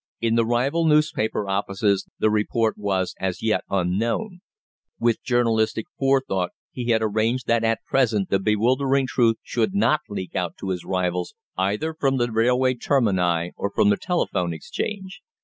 In the rival newspaper offices the report was, as yet, unknown. With journalistic forethought he had arranged that at present the bewildering truth should not leak out to his rivals, either from the railway termini or from the telephone exchange.